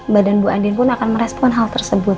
badan bu andin pun akan merespon hal tersebut